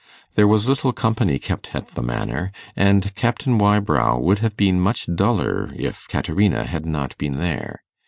There was little company kept at the Manor, and Captain Wybrow would have been much duller if Caterina had not been there.